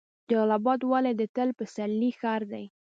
جلال اباد ولې د تل پسرلي ښار دی؟